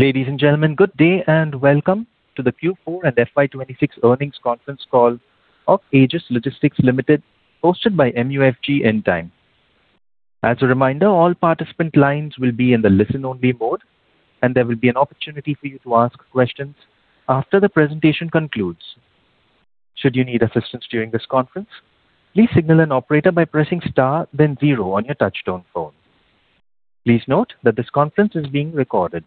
Ladies and gentlemen, good day. Welcome to the Q4 and FY 2026 earnings conference call of Aegis Logistics Limited, hosted by MUFG Intime. As a reminder, all participant lines will be in the listen-only mode. There will be an opportunity for you to ask questions after the presentation concludes. Should you need assistance during this conference, please signal an operator by pressing star then zero on your touchtone phone. Please note that this conference is being recorded.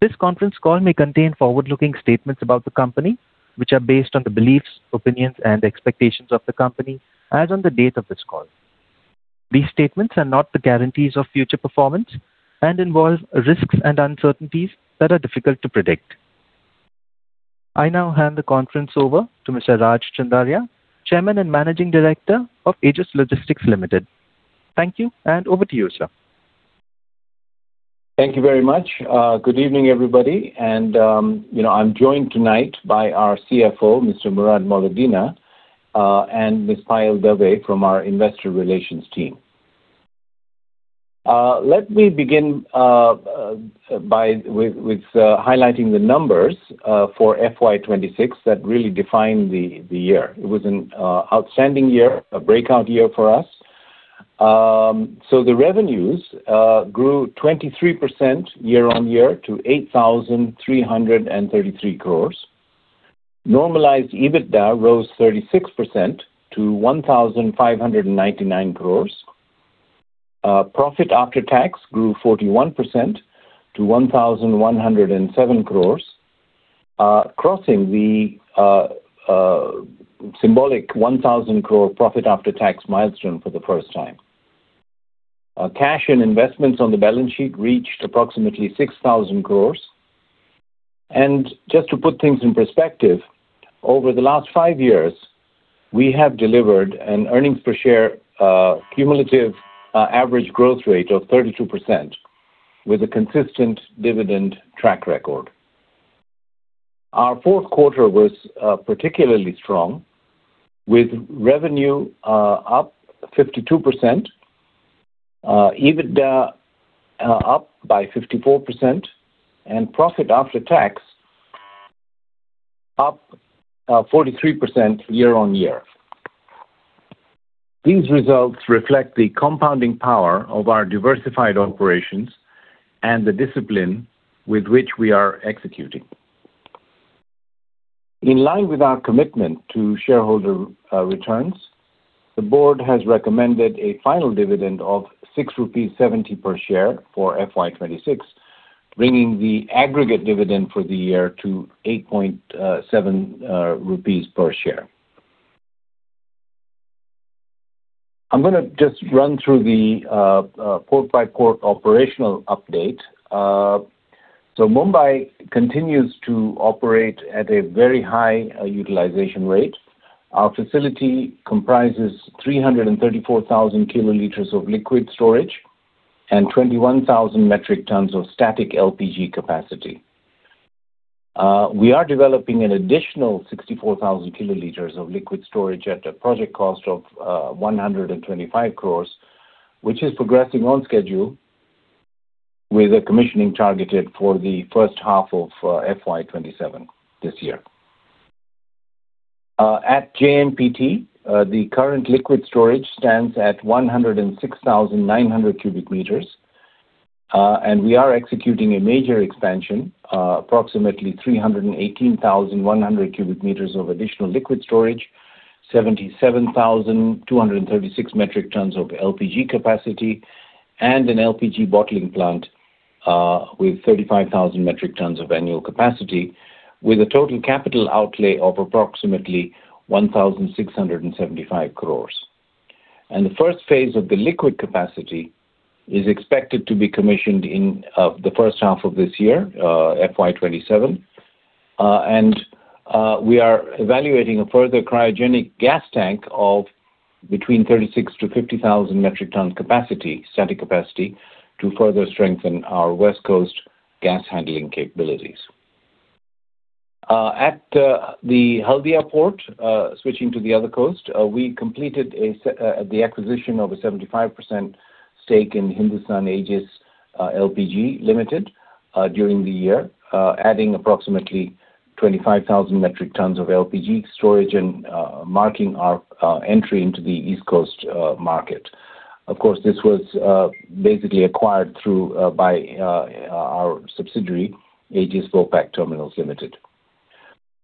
This conference call may contain forward-looking statements about the company, which are based on the beliefs, opinions, and expectations of the company as on the date of this call. These statements are not the guarantees of future performance and involve risks and uncertainties that are difficult to predict. I now hand the conference over to Mr. Raj Chandaria, Chairman and Managing Director of Aegis Logistics Limited. Thank you. Over to you, sir. Thank you very much. Good evening, everybody. I am joined tonight by our CFO, Mr. Murad Moledina, and Ms. Payal Dave from our investor relations team. Let me begin with highlighting the numbers for FY 2026 that really define the year. It was an outstanding year, a breakout year for us. The revenues grew 23% year-on-year to 8,333 crores. Normalized EBITDA rose 36% to 1,599 crores. Profit after tax grew 41% to 1,107 crores, crossing the symbolic 1,000 crore profit after tax milestone for the first time. Cash and investments on the balance sheet reached approximately 6,000 crores. Just to put things in perspective, over the last five years, we have delivered an earnings per share cumulative average growth rate of 32% with a consistent dividend track record. Our fourth quarter was particularly strong, with revenue up 52%, EBITDA up by 54%, Profit after tax up 43% year-on-year. These results reflect the compounding power of our diversified operations and the discipline with which we are executing. In line with our commitment to shareholder returns, the board has recommended a final dividend of 6.70 rupees per share for FY 2026, bringing the aggregate dividend for the year to 8.70 rupees per share. I am going to just run through the port by port operational update. Mumbai continues to operate at a very high utilization rate. Our facility comprises 334,000 kL of liquid storage and 21,000 metric tons of static LPG capacity. We are developing an additional 64,000 kL of liquid storage at a project cost of 125 crores, which is progressing on schedule with a commissioning targeted for the first half of FY 2027 this year. At JNPT, the current liquid storage stands at 106,900 m³. We are executing a major expansion, approximately 318,100 m³ of additional liquid storage, 77,236 metric tons of LPG capacity, and an LPG bottling plant with 35,000 metric tons of annual capacity, with a total capital outlay of approximately 1,675 crore. The first phase of the liquid capacity is expected to be commissioned in the first half of this year, FY 2027. We are evaluating a further cryogenic gas tank of between 36,000-50,000 metric ton capacity, static capacity, to further strengthen our West Coast gas handling capabilities. At the Haldia port, switching to the other coast, we completed the acquisition of a 75% stake in Hindustan Aegis LPG Limited during the year, adding approximately 25,000 metric tons of LPG storage and marking our entry into the East Coast market. Of course, this was basically acquired by our subsidiary, Aegis Bulk Terminals Limited.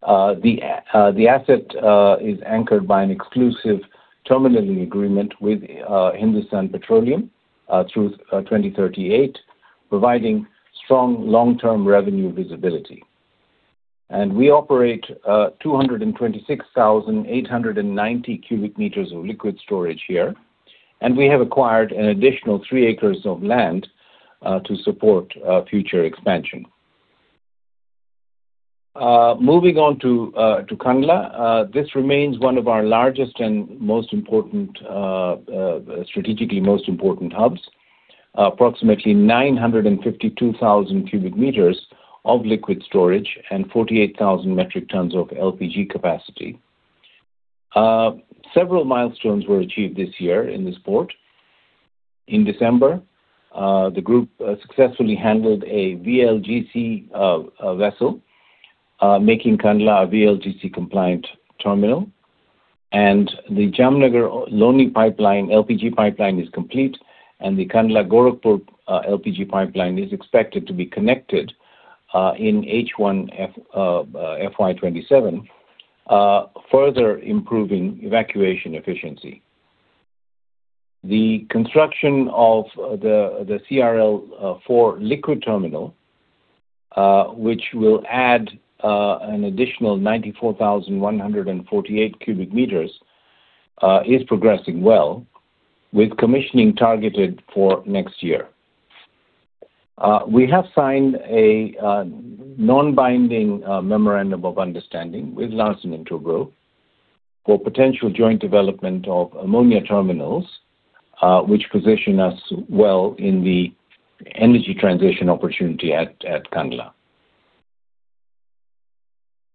The asset is anchored by an exclusive terminaling agreement with Hindustan Petroleum through 2038, providing strong long-term revenue visibility. We operate 226,890 m³ of liquid storage here. We have acquired an additional three acres of land to support future expansion. Moving on to Kandla. This remains one of our largest and strategically most important hubs, approximately 952,000 m³ of liquid storage and 48,000 metric tons of LPG capacity. Several milestones were achieved this year in this port. In December, the group successfully handled a VLGC vessel, making Kandla a VLGC-compliant terminal. The Jamnagar-Loni pipeline, LPG pipeline is complete, and the Kandla-Gorakhpur LPG pipeline is expected to be connected in H1 FY 2027, further improving evacuation efficiency. The construction of the CRL 4 liquid terminal, which will add an additional 94,148 cubic meters, is progressing well with commissioning targeted for next year. We have signed a non-binding Memorandum of Understanding with Larsen & Toubro for potential joint development of ammonia terminals, which position us well in the energy transition opportunity at Kandla.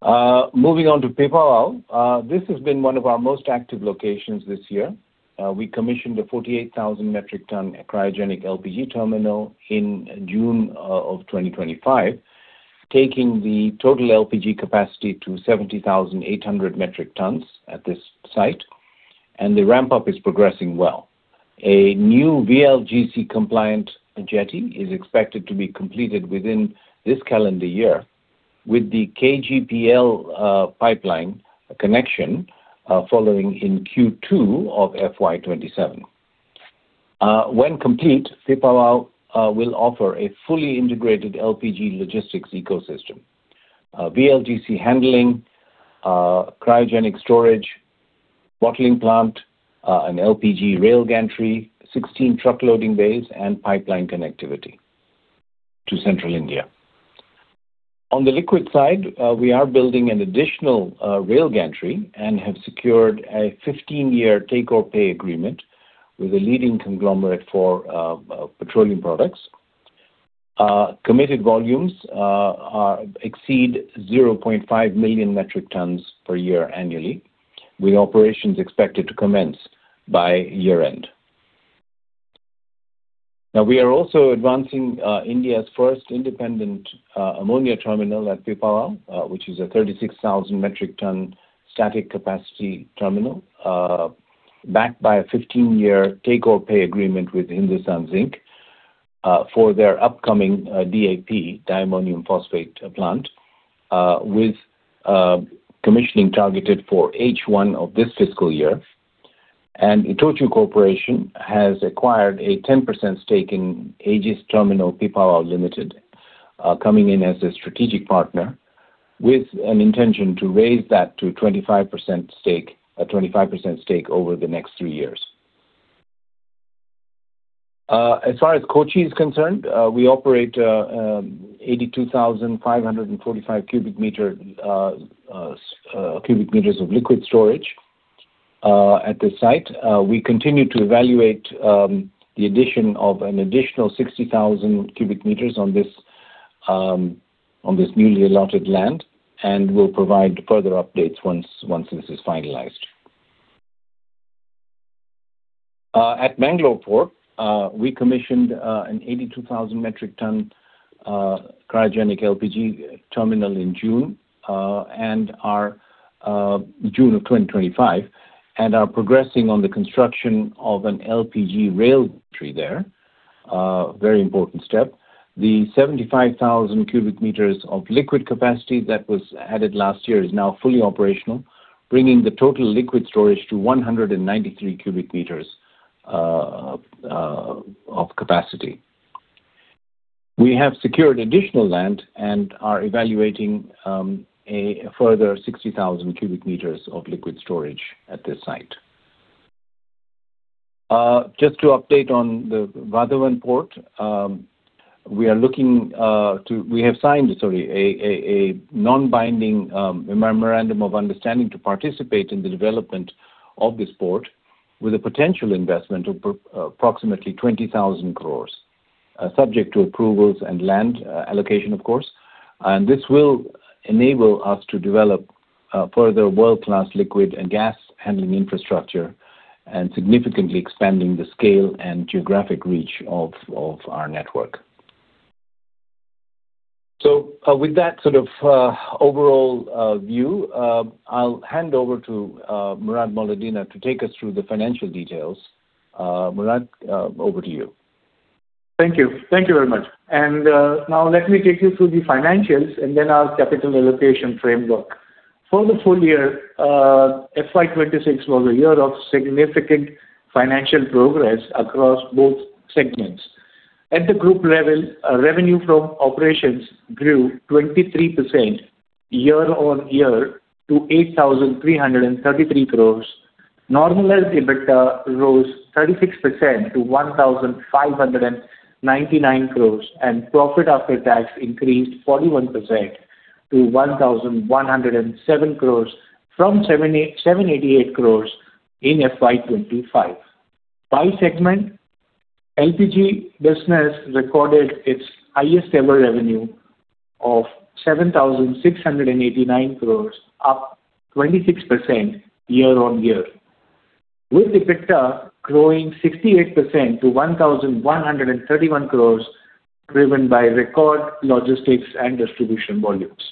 Moving on to Pipavav. This has been one of our most active locations this year. We commissioned a 48,000 metric ton cryogenic LPG terminal in June of 2025, taking the total LPG capacity to 70,800 metric tons at this site, and the ramp-up is progressing well. A new VLGC-compliant jetty is expected to be completed within this calendar year, with the KGPL pipeline connection following in Q2 of FY 2027. When complete, Pipavav will offer a fully integrated LPG logistics ecosystem, VLGC handling, cryogenic storage, bottling plant, an LPG rail gantry, 16 truck loading bays, and pipeline connectivity to central India. On the liquid side, we are building an additional rail gantry and have secured a 15-year take-or-pay agreement with a leading conglomerate for petroleum products. Committed volumes exceed 0.5 million metric tons per year annually, with operations expected to commence by year-end. Now we are also advancing India's first independent ammonia terminal at Pipavav, which is a 36,000 metric ton static capacity terminal, backed by a 15-year take-or-pay agreement with Hindustan Zinc for their upcoming DAP, diammonium phosphate plant, with commissioning targeted for H1 of this fiscal year. Itochu Corporation has acquired a 10% stake in Aegis Terminal Pipavav Limited, coming in as a strategic partner with an intention to raise that to a 25% stake over the next three years. As far as Kochi is concerned, we operate 82,545 m³ of liquid storage at this site. We continue to evaluate the addition of an additional 60,000 m³ on this newly allotted land and will provide further updates once this is finalized. At Mangalore Port, we commissioned an 82,000 metric ton cryogenic LPG terminal in June of 2025 and are progressing on the construction of an LPG rail gantry there. A very important step. The 75,000 cubic meters of liquid capacity that was added last year is now fully operational, bringing the total liquid storage to 193 cubic meters of capacity. We have secured additional land and are evaluating a further 60,000 cubic meters of liquid storage at this site. Just to update on the Vadhavan Port, we have signed a non-binding memorandum of understanding to participate in the development of this port with a potential investment of approximately 20,000 crores, subject to approvals and land allocation, of course. This will enable us to develop further world-class liquid and gas handling infrastructure and significantly expanding the scale and geographic reach of our network. With that sort of overall view, I'll hand over to Murad Moledina to take us through the financial details. Murad, over to you. Thank you. Thank you very much. Now let me take you through the financials and then our capital allocation framework. For the full year, FY 2026 was a year of significant financial progress across both segments. At the group level, revenue from operations grew 23% year-on-year to 8,333 crores. Normalized EBITDA rose 36% to 1,599 crores, and profit after tax increased 41% to 1,107 crores from 788 crores in FY 2025. By segment LPG business recorded its highest-ever revenue of INR 7,689 crores up 26% year-on-year. With EBITDA growing 68% to 1,131 crores, driven by record logistics and distribution volumes.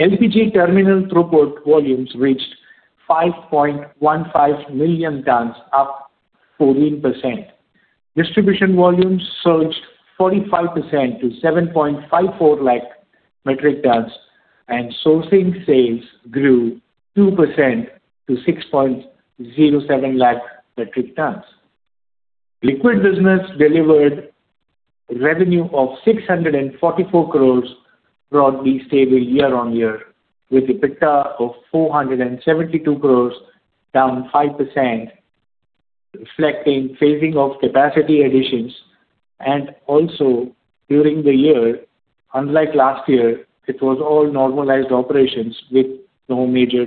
LPG terminal throughput volumes reached 5.15 million tons, up 14%. Distribution volumes surged 45% to 7.54 lakh metric tons, and sourcing sales grew 2% to 6.07 lakh metric tons. Liquid business delivered revenue of 644 crores, broadly stable year-on-year, with EBITDA of 472 crores down 5%, reflecting phasing of capacity additions. Also during the year, unlike last year, it was all normalized operations with no major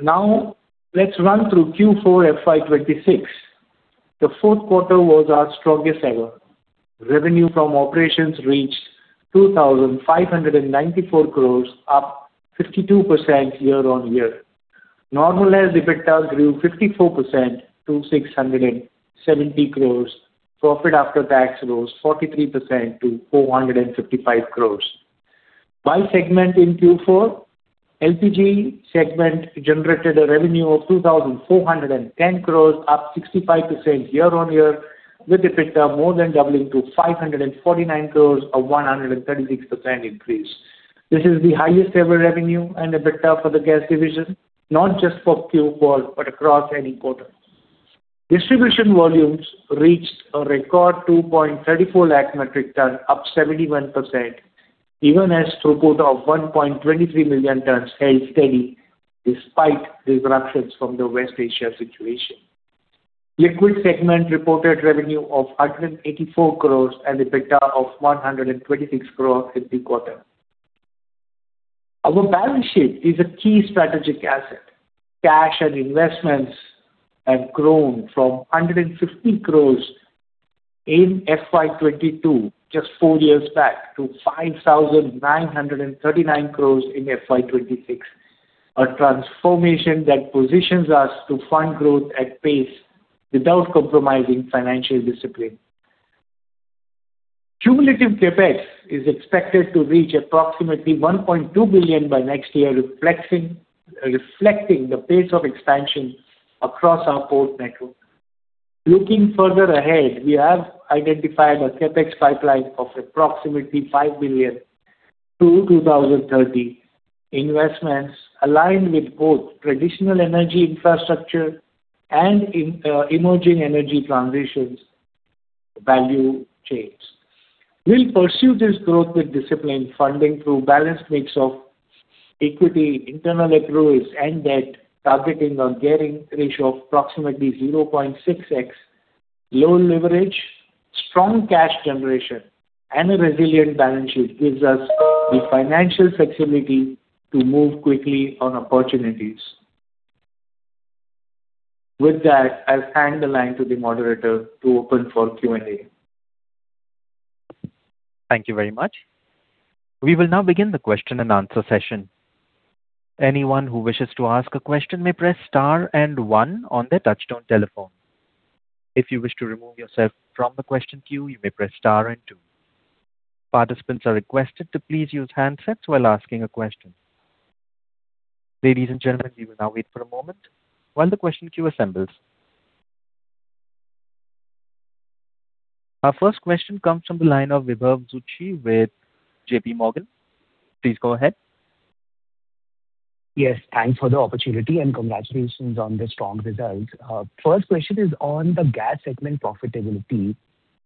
taper play. Let's run through Q4 FY 2026. The fourth quarter was our strongest ever. Revenue from operations reached 2,594 crores, up 52% year-on-year. Normalized EBITDA grew 54% to 670 crores. Profit after tax rose 43% to 455 crores. By segment in Q4, LPG segment generated a revenue of 2,410 crores, up 65% year-on-year, with EBITDA more than doubling to 549 crores, a 136% increase. This is the highest-ever revenue and EBITDA for the gas division, not just for Q4, but across any quarter. Distribution volumes reached a record 2.34 lakh metric ton, up 71%, even as throughput of 1.23 million tons held steady despite disruptions from the West Asia situation. Liquid segment reported revenue of 184 crores and EBITDA of 126 crores in the quarter. Our balance sheet is a key strategic asset. Cash and investments have grown from 150 crores in FY 2022, just four years back, to 5,939 crores in FY 2026, a transformation that positions us to fund growth at pace without compromising financial discipline. Cumulative CapEx is expected to reach approximately $1.2 billion by next year, reflecting the pace of expansion across our port network. Looking further ahead, we have identified a CapEx pipeline of approximately $5 billion through 2030. Investments aligned with both traditional energy infrastructure and emerging energy transitions value chains. We will pursue this growth with discipline, funding through balanced mix of equity, internal accruals and debt, targeting a gearing ratio of approximately 0.6x. Low leverage, strong cash generation, and a resilient balance sheet gives us the financial flexibility to move quickly on opportunities. With that, I'll hand the line to the moderator to open for Q&A. Thank you very much. We will now begin the question and answer session. Anyone who wishes to ask a question may press star and one on their touchtone telephone. If you wish to remove yourself from the question queue, you may press star and two. Participants are requested to please use handsets while asking a question. Ladies and gentlemen, we will now wait for a moment while the question queue assembles. Our first question comes from the line of Vibhav Zutshi with JPMorgan. Please go ahead. Yes, thanks for the opportunity and congratulations on the strong results. First question is on the gas segment profitability,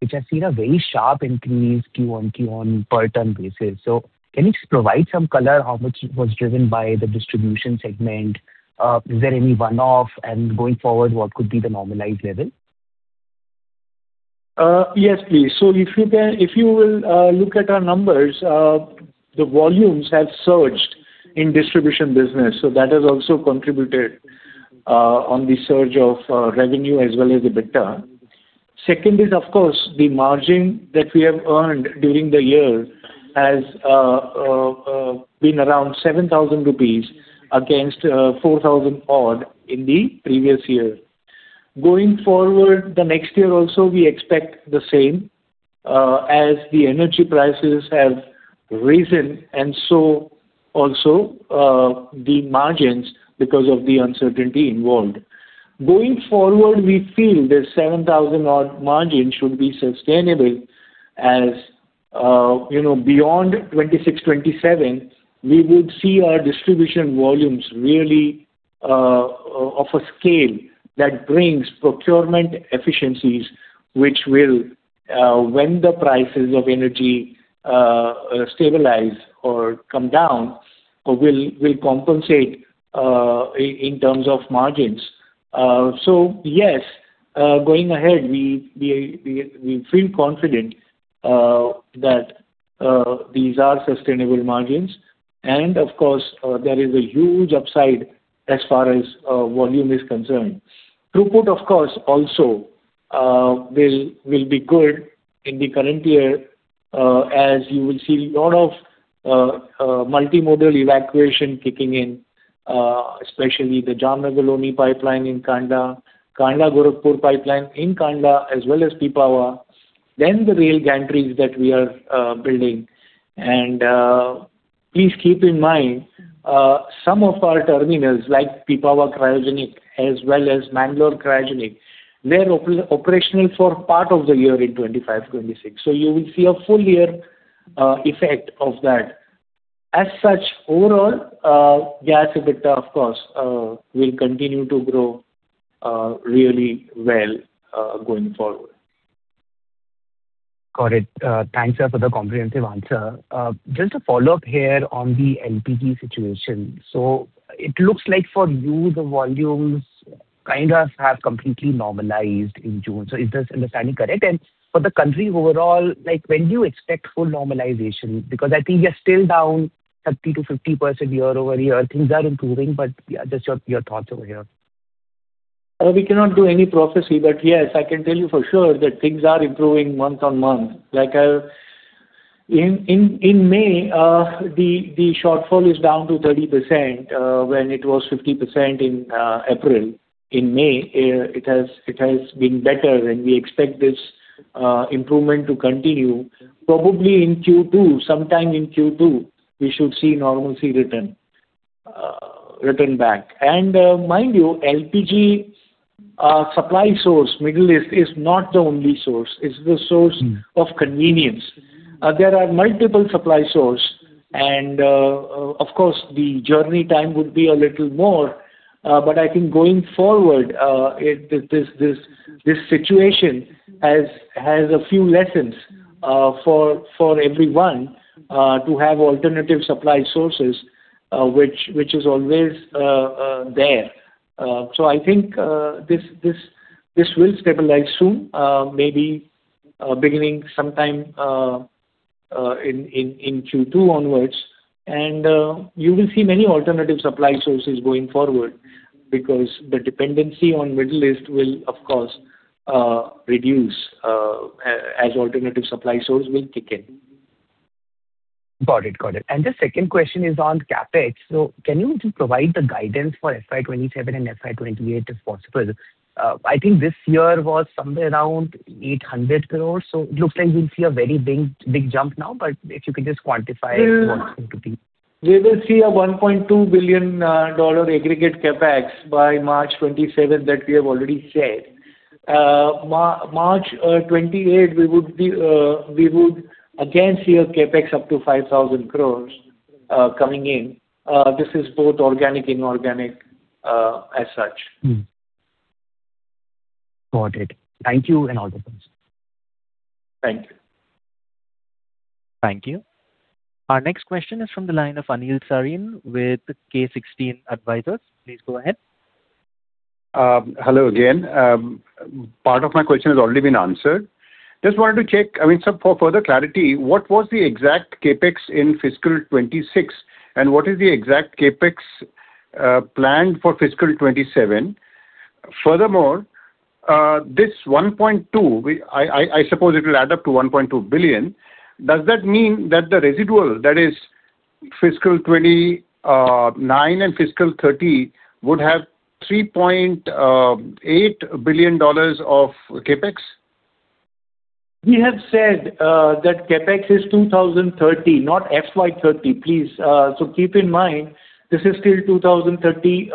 which has seen a very sharp increase Q on Q on per ton basis. So can you just provide some color how much was driven by the distribution segment? Is there any one-off? And going forward, what could be the normalized level? Yes, please. If you will look at our numbers, the volumes have surged in distribution business. That has also contributed on the surge of revenue as well as EBITDA. Second is, of course, the margin that we have earned during the year has been around 7,000 rupees against 4,000 odd in the previous year. Going forward, the next year also, we expect the same, as the energy prices have risen and so also the margins because of the uncertainty involved. Going forward, we feel the 7,000 odd margin should be sustainable. As beyond 2026, 2027, we would see our distribution volumes really of a scale that brings procurement efficiencies, which will, when the prices of energy stabilize or come down, will compensate in terms of margins. Yes, going ahead, we feel confident that these are sustainable margins. Of course, there is a huge upside as far as volume is concerned. Throughput, of course, also will be good in the current year, as you will see a lot of multimodal evacuation kicking in, especially the Jamnagar-Loni pipeline in Kandla-Gorakhpur pipeline in Kandla, as well as Pipavav, then the rail gantry that we are building. Please keep in mind, some of our terminals, like Pipavav Cryogenic as well as Mangalore Cryogenic, were operational for part of the year in 2025/2026. You will see a full year effect of that. As such, overall, gas EBITDA, of course, will continue to grow really well going forward. Got it. Thanks for the comprehensive answer. Just a follow-up here on the LPG situation. It looks like for you, the volumes kind of have completely normalized in June. Is this understanding correct? For the country overall, when do you expect full normalization? Because I think we are still down 30%-50% year-over-year. Things are improving, but just your thoughts over here. We cannot do any prophecy, but yes, I can tell you for sure that things are improving month-on-month. In May, the shortfall is down to 30%, when it was 50% in April. In May, it has been better, and we expect this improvement to continue. Probably in Q2, sometime in Q2, we should see normalcy return back. Mind you, LPG supply source, Middle East is not the only source. It's the source of convenience. There are multiple supply source, and of course, the journey time would be a little more. I think going forward, this situation has a few lessons for everyone to have alternative supply sources, which is always there. I think this will stabilize soon, maybe beginning sometime in Q2 onwards. You will see many alternative supply sources going forward, because the dependency on Middle East will, of course, reduce as alternative supply source will kick in. Got it. The second question is on CapEx. Can you just provide the guidance for FY 2027 and FY 2028 if possible? I think this year was somewhere around 800 crores. It looks like we'll see a very big jump now. If you could just quantify what it's going to be. We will see a $1.2 billion aggregate CapEx by March 2027, that we have already said. March 2028, we would again see a CapEx up to 5,000 crores coming in. This is both organic and inorganic as such. Got it. Thank you, and all the best. Thank you. Thank you. Our next question is from the line of Anil Sarin with K16 Advisors. Please go ahead. Hello again. Part of my question has already been answered. Just wanted to check, for further clarity, what was the exact CapEx in fiscal 2026, and what is the exact CapEx planned for fiscal 2027? Furthermore, this 1.2, I suppose it will add up to $1.2 billion. Does that mean that the residual, that is fiscal 2029 and fiscal 2030, would have $3.8 billion of CapEx? We have said that CapEx is 2030, not FY 2030, please. Keep in mind, this is till 2030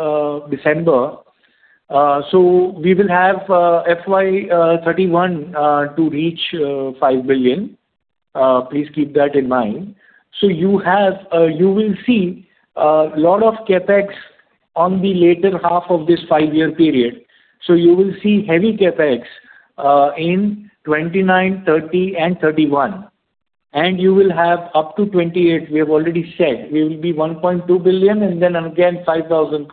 December. We will have FY 2031 to reach $5 billion. Please keep that in mind. You will see a lot of CapEx on the later half of this five-year period. You will see heavy CapEx in 2029, 2030, and 2031. You will have up to 2028, we have already said, will be $1.2 billion, and then again, 5,000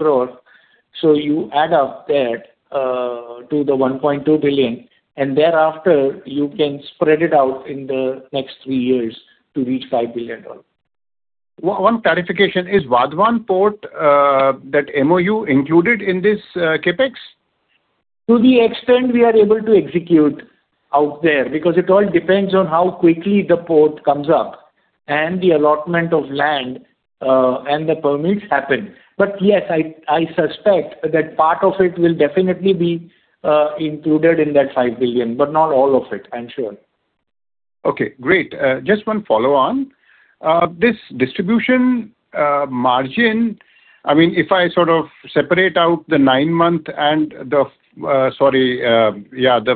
crores. You add up that to the $1.2 billion, and thereafter, you can spread it out in the next three years to reach $5 billion. One clarification. Is Vadhavan Port, that MoU included in this CapEx? To the extent we are able to execute out there, because it all depends on how quickly the port comes up, and the allotment of land, and the permits happen. Yes, I suspect that part of it will definitely be included in that 5 billion, but not all of it, I'm sure. Okay, great. Just one follow-on. This distribution margin, if I sort of separate out the nine month and the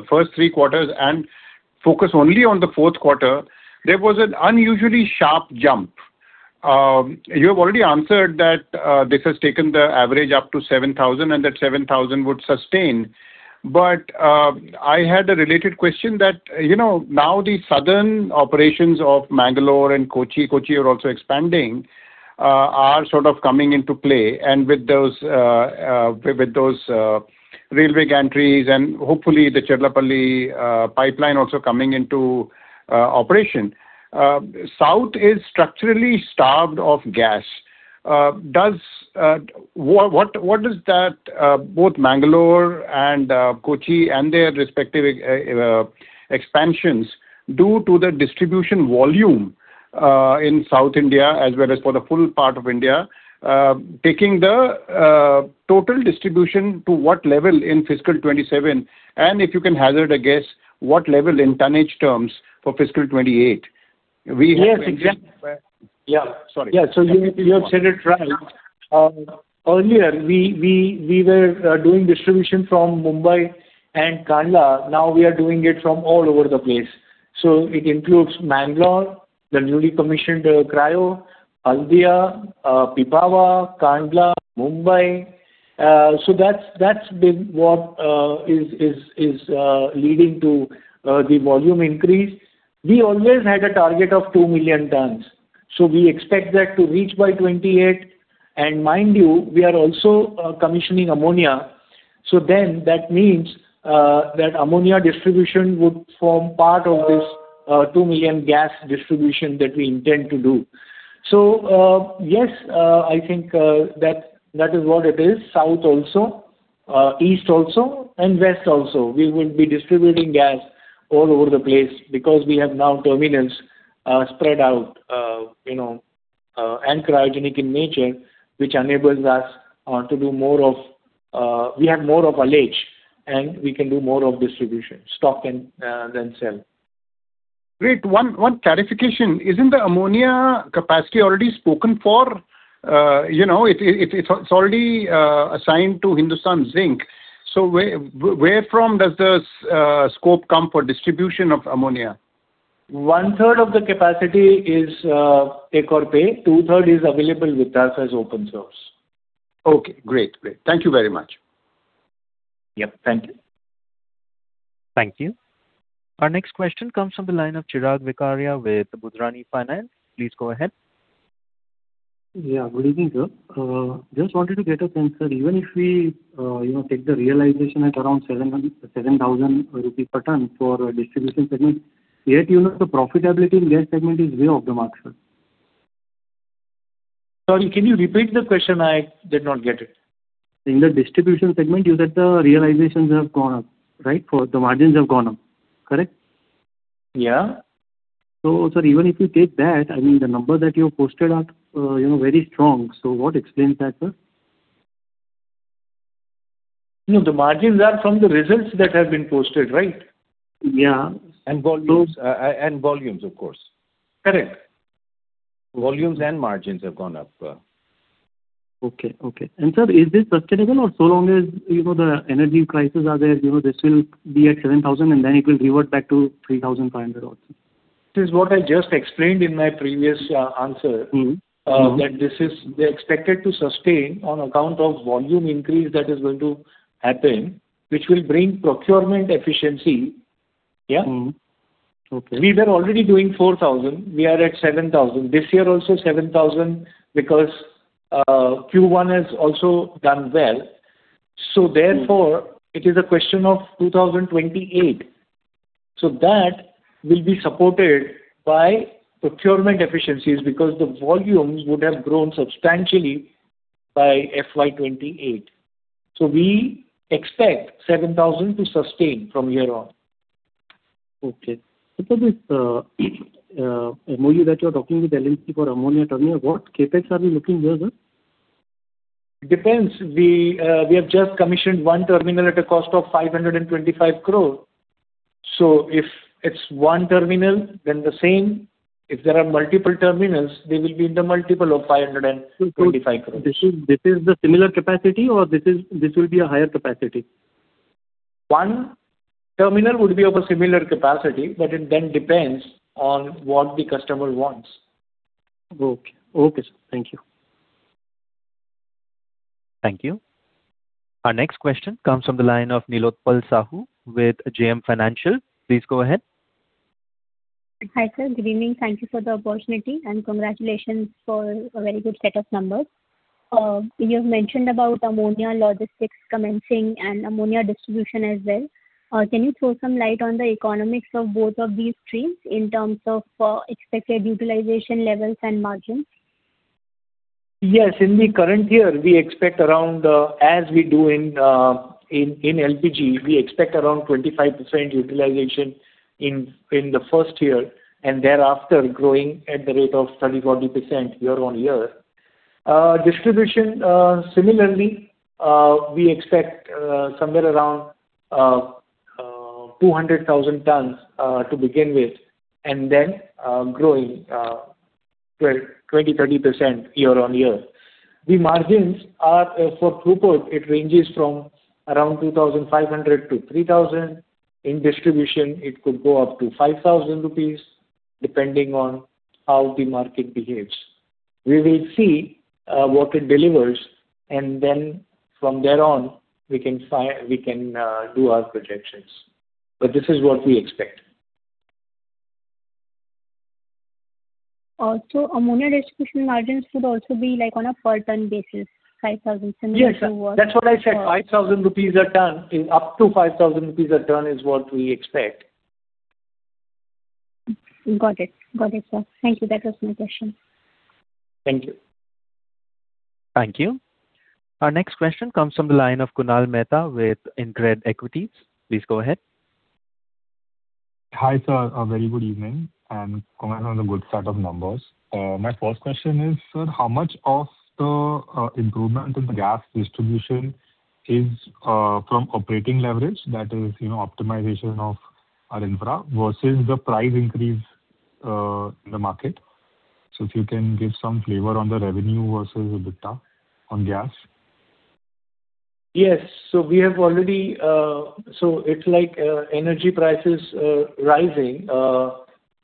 first three quarters and focus only on the fourth quarter, there was an unusually sharp jump. You have already answered that this has taken the average up to 7,000, and that 7,000 would sustain. I had a related question that now the southern operations of Mangalore and Kochi are also expanding are sort of coming into play, and with those railway gantries and hopefully the Hassan-Cherlapalli pipeline also coming into operation. South is structurally starved of gas. What does that, both Mangalore and Kochi and their respective expansions, do to the distribution volume in South India as well as for the full part of India, taking the total distribution to what level in fiscal 2027? If you can hazard a guess, what level in tonnage terms for fiscal 2028? We have- Yes. Yeah. Sorry. Yeah. You have said it right. Earlier, we were doing distribution from Mumbai and Kandla. Now we are doing it from all over the place. It includes Mangalore, the newly commissioned cryo, Haldia, Pipavav, Kandla, Mumbai. That's been what is leading to the volume increase. We always had a target of 2 million tonnes, we expect that to reach by 2028. Mind you, we are also commissioning ammonia, that means that ammonia distribution would form part of this two million gas distribution that we intend to do. Yes, I think that is what it is. South also, East also, and West also. We will be distributing gas all over the place because we have now terminals spread out, and cryogenic in nature, which enables us to have more of a ledge, and we can do more of distribution, stock and then sell. Great. One clarification. Isn't the ammonia capacity already spoken for? It's already assigned to Hindustan Zinc. Where from does the scope come for distribution of ammonia? One third of the capacity is take-or-pay, 2/3 is available with us as open source. Okay, great. Thank you very much. Yep, thank you. Thank you. Our next question comes from the line of Chirag Vakharia with Budhrani Finance. Please go ahead. Yeah, good evening sir. Just wanted to get a sense, sir. Even if we take the realization at around 7,000 rupees per tonne for distribution segment, yet the profitability in that segment is way off the mark, sir. Sorry, can you repeat the question? I did not get it. In the distribution segment, you said the realizations have gone up, right? The margins have gone up. Correct? Yeah. Sir, even if you take that, the number that you have posted are very strong. What explains that, sir? No, the margins are from the results that have been posted, right? Yeah. Volumes, of course. Correct. Volumes and margins have gone up. Okay. Sir, is this sustainable or so long as the energy prices are there, this will be at 7,000 and then it will revert back to 3,500 also? This is what I just explained in my previous answer. This is expected to sustain on account of volume increase that is going to happen, which will bring procurement efficiency. Yeah. Okay. We were already doing 4,000. We are at 7,000. This year also 7,000 because Q1 has also done well. Therefore it is a question of 2028. That will be supported by procurement efficiencies because the volumes would have grown substantially by FY 2028. We expect 7,000 to sustain from here on. Okay. Sir, this MoU that you're talking with L&T for ammonia terminal, what CapEx are we looking here, sir? Depends. We have just commissioned one terminal at a cost of 525 crore. If it's one terminal, then the same. If there are multiple terminals, they will be in the multiple of 525 crore. This is the similar capacity or this will be a higher capacity? One terminal would be of a similar capacity, it then depends on what the customer wants. Okay, sir. Thank you. Thank you. Our next question comes from the line of Nilotpal Sahu with JM Financial. Please go ahead. Hi sir. Good evening. Thank you for the opportunity and congratulations for a very good set of numbers. You have mentioned about ammonia logistics commencing and ammonia distribution as well. Can you throw some light on the economics of both of these streams in terms of expected utilization levels and margins? Yes. In the current year, as we do in LPG, we expect around 25% utilization in the first year and thereafter growing at the rate of 30%-40% year on year. Distribution, similarly, we expect somewhere around 200,000 tonnes to begin with and then growing 20%-30% year on year. The margins are for throughput. It ranges from around 2,500-INR 3,000.In distribution, it could go up to 5,000 rupees, depending on how the market behaves. We will see what it delivers, and then from there on, we can do our projections. This is what we expect. Ammonia distribution margins could also be on a per ton basis, 5,000. Yes. That's what I said, up to 5,000 rupees a ton is what we expect. Got it, sir. Thank you. That was my question. Thank you. Thank you. Our next question comes from the line of Kunal Mehta with InCred Equity. Please go ahead. Hi, sir. A very good evening, congrats on the good set of numbers. My first question is, sir, how much of the improvement in gas distribution is from operating leverage, that is, optimization of our infra versus the price increase in the market? If you can give some flavor on the revenue versus EBITDA on gas. Yes. It's like energy prices are rising,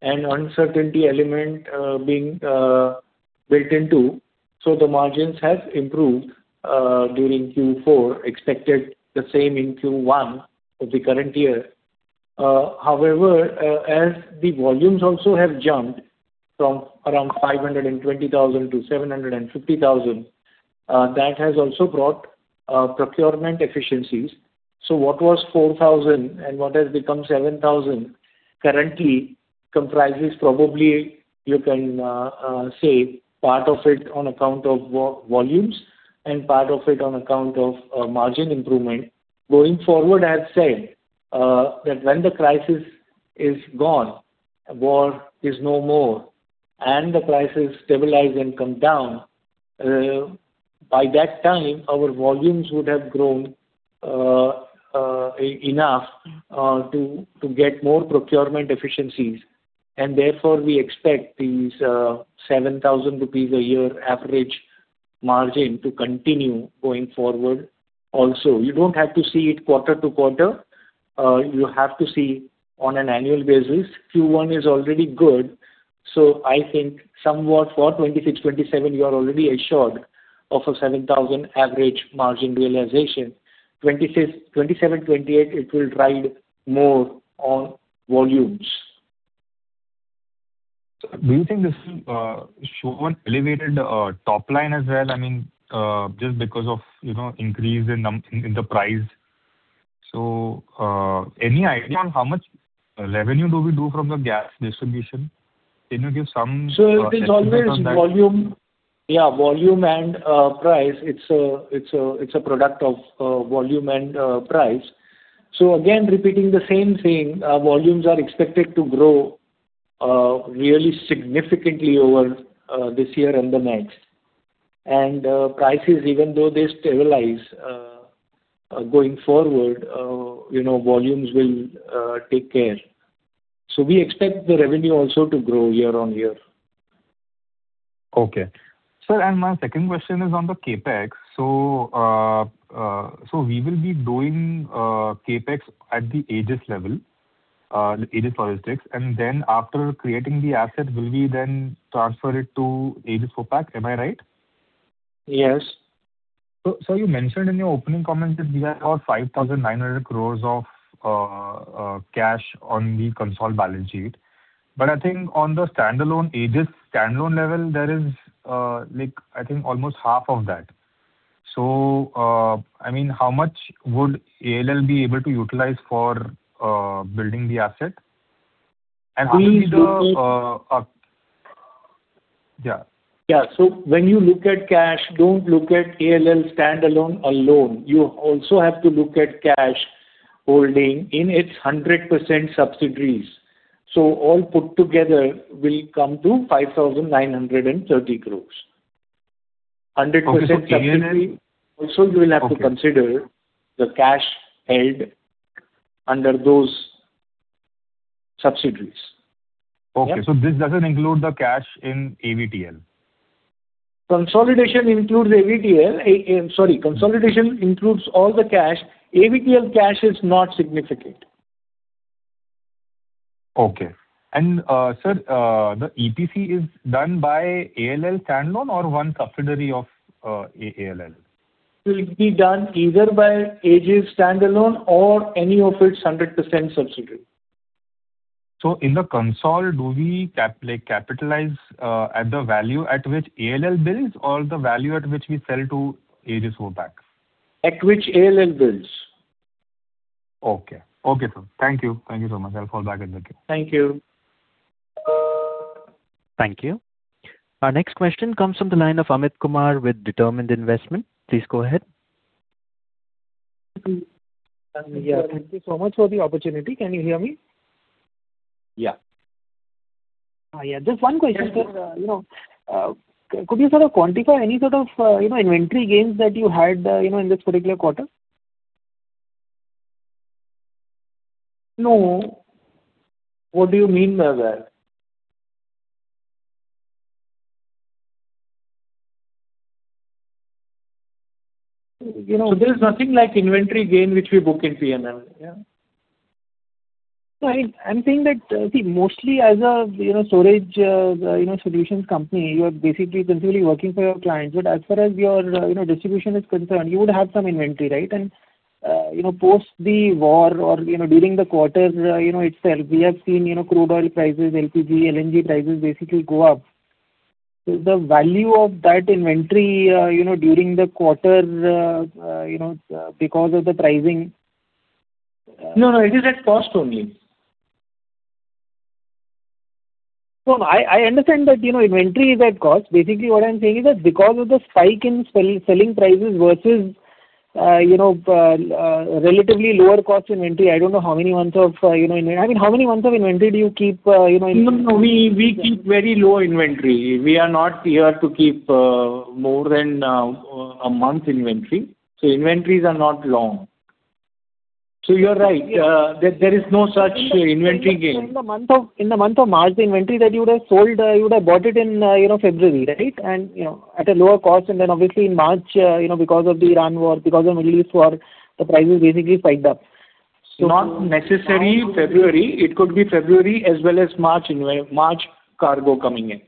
Uncertainty element being built into, the margins have improved during Q4, expected the same in Q1 of the current year. However, as the volumes also have jumped from around 520,000 to 750,000, that has also brought procurement efficiencies. What was 4,000 and what has become 7,000 currently comprises probably, you can say, part of it on account of volumes and part of it on account of margin improvement. Going forward, as said, that when the crisis is gone, war is no more, the prices stabilize and come down, by that time, our volumes would have grown enough to get more procurement efficiencies. Therefore, we expect these 7,000 rupees a year average margin to continue going forward also. You don't have to see it quarter to quarter. You have to see on an annual basis. Q1 is already good. I think somewhat for 2026, 2027, you are already assured of a 7,000 average margin realization. 2027, 2028, it will ride more on volumes. Do you think this will show an elevated top line as well, just because of increase in the price? Any idea on how much revenue do we do from the gas distribution? Can you give some estimate on that? Yeah, volume and price. It's a product of volume and price. Again, repeating the same thing, volumes are expected to grow really significantly over this year and the next. Prices, even though they stabilize, going forward, volumes will take care. We expect the revenue also to grow year on year. Okay. Sir, my second question is on the CapEx. We will be doing CapEx at the Aegis level, Aegis Logistics, then after creating the asset, will we then transfer it to Aegis Vopak? Am I right? Yes. You mentioned in your opening comments that we have about 5,900 crores of cash on the consolidated balance sheet. I think on the standalone Aegis standalone level, there is almost half of that. How much would ALL be able to utilize for building the asset? Please look at- Yeah. Yeah. When you look at cash, don't look at ALL standalone. You also have to look at cash holding in its 100% subsidiaries. All put together will come to 5,930 crore. Okay. Also, you will have to consider the cash held under those subsidiaries. Yeah. Okay. This doesn't include the cash in AVTL. Consolidation includes all the cash. AVTL cash is not significant. Okay. Sir, the EPC is done by ALL standalone or one subsidiary of ALL? It will be done either by Aegis standalone or any of its 100% subsidiary. In the consolidation, do we capitalize at the value at which ALL builds or the value at which we sell to Aegis Vopak? At which ALL builds. Okay, sir. Thank you so much. I'll fall back in the queue. Thank you. Thank you. Our next question comes from the line of Amit Kumar with Determined Investment. Please go ahead. Yeah. Thank you so much for the opportunity. Can you hear me? Yeah. Yeah. Just one question, sir. Could you sort of quantify any sort of inventory gains that you had in this particular quarter? No. What do you mean by that? There's nothing like inventory gain, which we book in P&L. No, I'm saying that, see, mostly as a storage solutions company, you are basically principally working for your clients. As far as your distribution is concerned, you would have some inventory, right? Post the war or during the quarter itself, we have seen crude oil prices, LPG, LNG prices basically go up. The value of that inventory during the quarter because of the pricing. No, it is at cost only. No, I understand that inventory is at cost. Basically, what I'm saying is that because of the spike in selling prices versus relatively lower cost inventory, I don't know how many months of inventory do you keep in? No, we keep very low inventory. We are not here to keep more than a month's inventory. Inventories are not long. You're right, there is no such inventory gain. In the month of March, the inventory that you would have sold, you would have bought it in February, right? At a lower cost, and then obviously in March, because of the Iran war, because of Middle East war, the prices basically spiked up. Not necessary February. It could be February as well as March cargo coming in.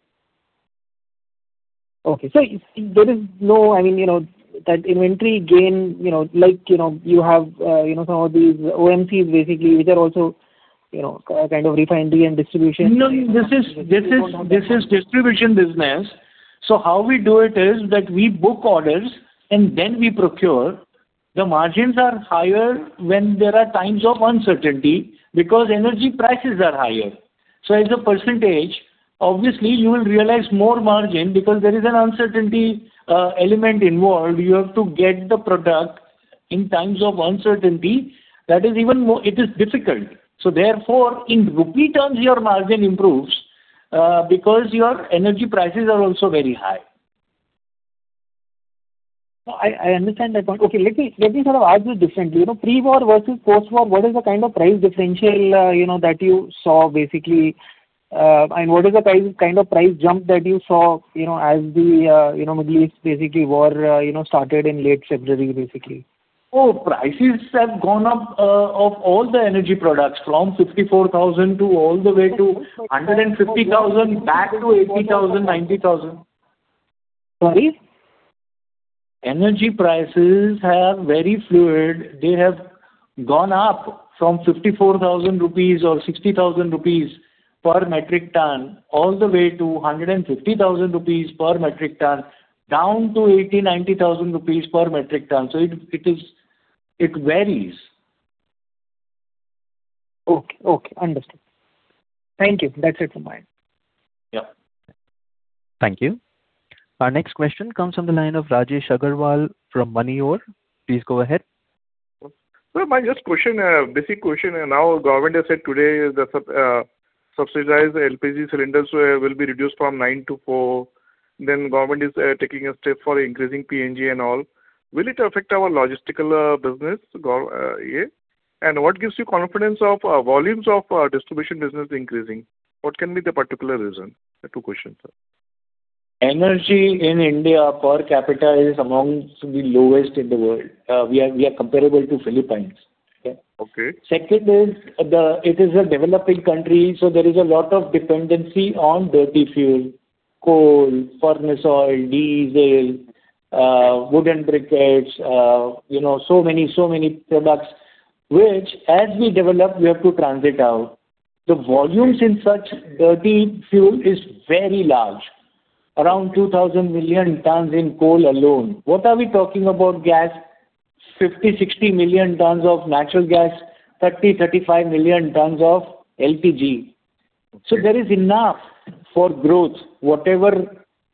Okay. There is no inventory gain like you have some of these OMCs, basically, which are also kind of refinery and distribution. No, this is distribution business. How we do it is that we book orders and then we procure. The margins are higher when there are times of uncertainty, because energy prices are higher. As a percentage, obviously, you will realize more margin because there is an uncertainty element involved. You have to get the product in times of uncertainty. It is difficult. Therefore, in rupee terms, your margin improves, because your energy prices are also very high. No, I understand that one. Okay, let me sort of ask you differently. Pre-war versus post-war, what is the kind of price differential that you saw basically, and what is the kind of price jump that you saw as the Middle East basically war started in late February, basically? Prices have gone up of all the energy products, from 64,000 to all the way to 150,000 back to 80,000, 90,000. Sorry? Energy prices have very fluid. They have gone up from 54,000 rupees or 60,000 rupees per metric ton all the way to 150,000 rupees per metric ton, down to 80,000-90,000 rupees per metric ton. It varies. Okay. Understood. Thank you. That's it from my end. Yeah. Thank you. Our next question comes from the line of Rajesh Aggarwal from Moneyore. Please go ahead. Sir, my just question, basic question. Government has said today that subsidized LPG cylinders will be reduced from nine to four, government is taking a step for increasing PNG and all. Will it affect our logistical business here? What gives you confidence of volumes of distribution business increasing? What can be the particular reason? Two questions, sir. Energy in India per capita is amongst the lowest in the world. We are comparable to Philippines. Okay. Second is, it is a developing country, there is a lot of dependency on dirty fuel, coal, furnace oil, diesel, wooden briquettes, so many products, which as we develop, we have to transit out. The volumes in such dirty fuel is very large, around 2,000 million tons in coal alone. What are we talking about gas? 50, 60 million tons of natural gas, 30, 35 million tons of LPG. There is enough for growth. Whatever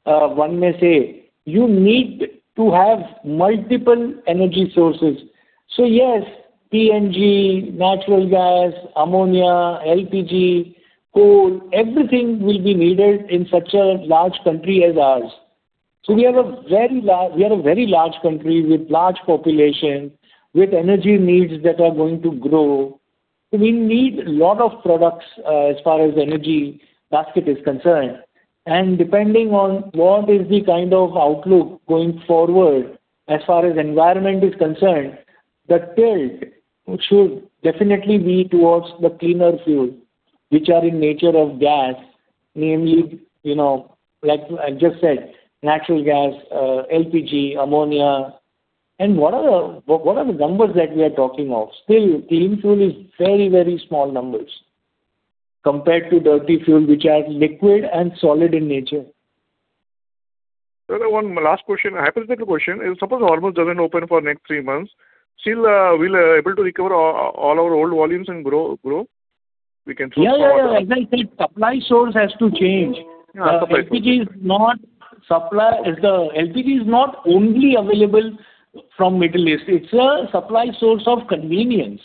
one may say, you need to have multiple energy sources. Yes, PNG, natural gas, ammonia, LPG, coal, everything will be needed in such a large country as ours. We are a very large country with large population, with energy needs that are going to grow. We need lot of products as far as energy basket is concerned, and depending on what is the kind of outlook going forward as far as environment is concerned, the tilt should definitely be towards the cleaner fuel, which are in nature of gas, namely, like I just said, natural gas, LPG, ammonia. What are the numbers that we are talking of? Still, clean fuel is very small numbers compared to dirty fuel, which are liquid and solid in nature. Sir, one last question, hypothetical question. If suppose Strait of Hormuz doesn't open for next three months, still we'll able to recover all our old volumes and grow? Yeah. As I said, supply source has to change. Yeah. LPG is not only available from Middle East. It's a supply source of convenience.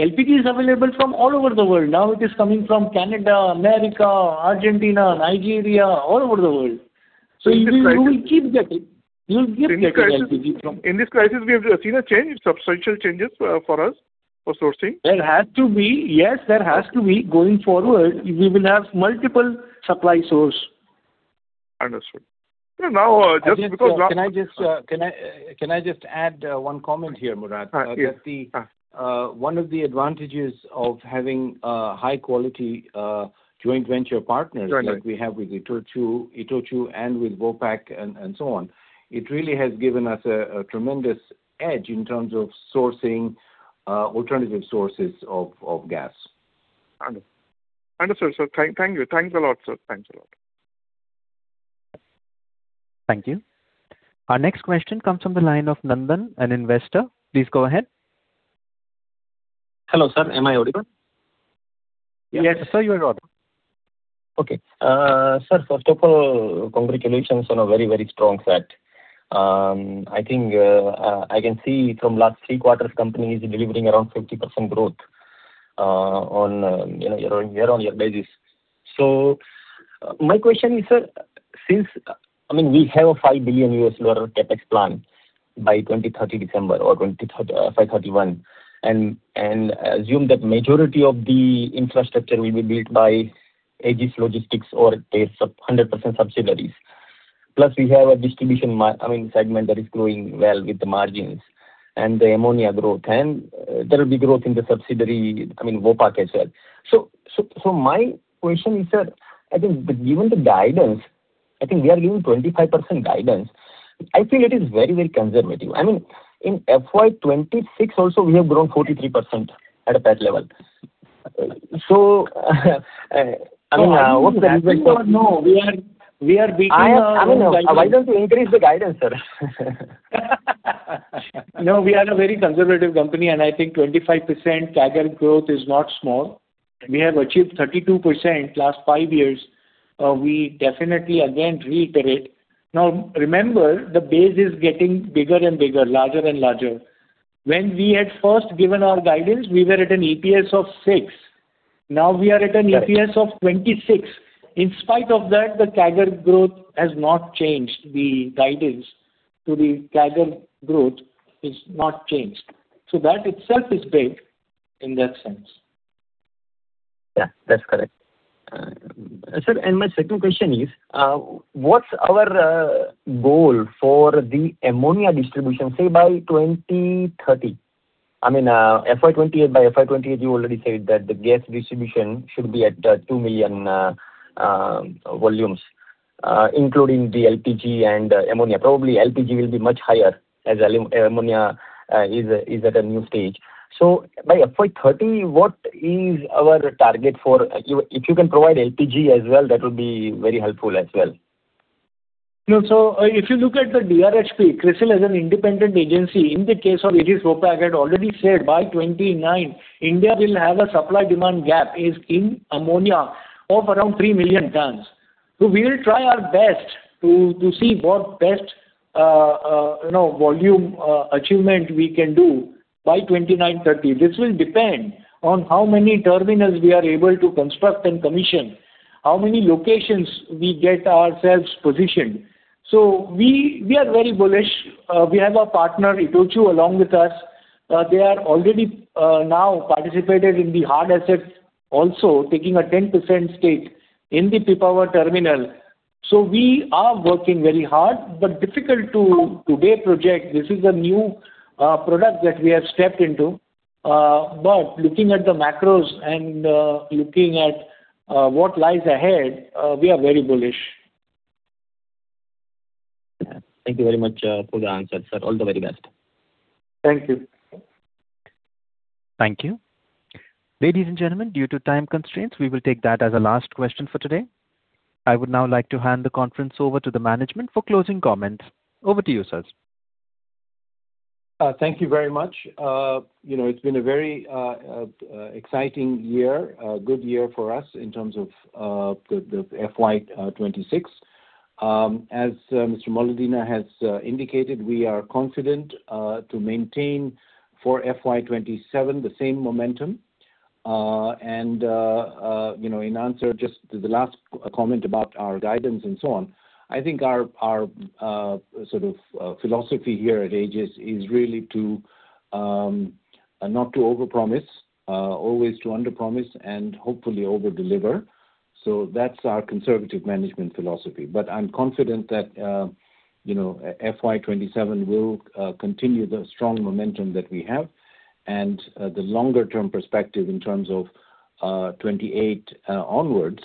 LPG is available from all over the world. Now it is coming from Canada, America, Argentina, Nigeria, all over the world. You will keep getting LPG. In this crisis, we have seen a change, substantial changes for us for sourcing? There has to be. Yes, there has to be. Going forward, we will have multiple supply source. Understood. Sir, now just because. Can I just add one comment here, Murad? Yes. One of the advantages of having a high quality joint venture partners- Right. like we have with ITOCHU and with Vopak and so on, it really has given us a tremendous edge in terms of sourcing alternative sources of gas. Understood, sir. Thank you. Thanks a lot, sir. Thank you. Our next question comes from the line of Nandan, an investor. Please go ahead. Hello, sir. Am I audible? Yes, sir, you are audible. Sir, first of all, congratulations on a very strong set. I think I can see from last three quarters, company is delivering around 50% growth on a year-on-year basis. My question is, sir, since we have an INR 5 billion CapEx plan by 2030 December or 2031, and assume that majority of the infrastructure will be built by Aegis Logistics or its 100% subsidiaries. Plus, we have a distribution segment that is growing well with the margins and the ammonia growth, and there will be growth in the subsidiary, Vopak as well. My question is, sir, I think given the guidance, I think we are giving 25% guidance. I feel it is very conservative. In FY 2026 also, we have grown 43% at a PAT level. I mean- No, we are beating our guidance. Why don't you increase the guidance, sir? We are a very conservative company, and I think 25% CAGR growth is not small. We have achieved 32% last five years. We definitely, again, reiterate. Remember, the base is getting bigger and bigger, larger and larger. When we had first given our guidance, we were at an EPS of six. We are at an EPS of 26. In spite of that, the CAGR growth has not changed the guidance to the CAGR growth is not changed. That itself is big in that sense. That's correct, sir. My second question is, what's our goal for the ammonia distribution, say, by 2030? By FY 2028, you already said that the gas distribution should be at two million volumes, including the LPG and ammonia. Probably LPG will be much higher as ammonia is at a new stage. By FY 2030, what is our target for If you can provide LPG as well, that will be very helpful as well. If you look at the DRHP, CRISIL is an independent agency. In the case of Aegis Vopak, had already said by 2029, India will have a supply-demand gap is in ammonia of around 3 million tons. We will try our best to see what best volume achievement we can do by 2029/2030. This will depend on how many terminals we are able to construct and commission, how many locations we get ourselves positioned. We are very bullish. We have a partner, ITOCHU, along with us. They are already now participated in the hard assets, also taking a 10% stake in the Pipavav terminal. We are working very hard, but difficult to today project. This is a new product that we have stepped into. Looking at the macros and looking at what lies ahead, we are very bullish. Yeah. Thank you very much for the answer, sir. All the very best. Thank you. Thank you. Ladies and gentlemen, due to time constraints, we will take that as a last question for today. I would now like to hand the conference over to the management for closing comments. Over to you, sirs. Thank you very much. It's been a very exciting year, a good year for us in terms of the FY 2026. As Mr. Moledina has indicated, we are confident to maintain for FY 2027 the same momentum. In answer just to the last comment about our guidance and so on, I think our sort of philosophy here at Aegis is really not to overpromise, always to underpromise, and hopefully overdeliver. That's our conservative management philosophy. I'm confident that FY 2027 will continue the strong momentum that we have and the longer-term perspective in terms of 2028 onwards,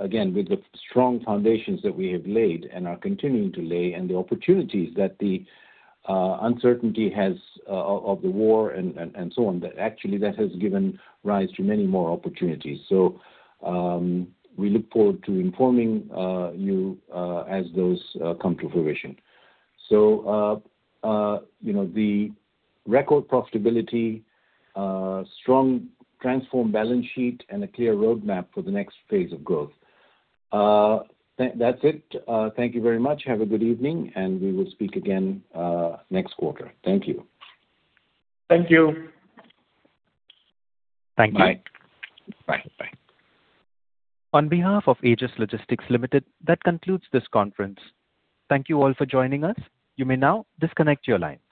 again, with the strong foundations that we have laid and are continuing to lay and the opportunities that the uncertainty of the war and so on, that actually that has given rise to many more opportunities. We look forward to informing you as those come to fruition. The record profitability, strong transformed balance sheet, and a clear roadmap for the next phase of growth. That's it. Thank you very much. Have a good evening, and we will speak again next quarter. Thank you. Thank you. Thank you. Bye. Bye. On behalf of Aegis Logistics Limited, that concludes this conference. Thank you all for joining us. You may now disconnect your lines.